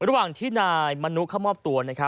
หลังที่นายมนุษย์ค่ำมอบตัว